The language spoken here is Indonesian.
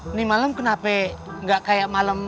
ini malam kenapa nggak kayak malam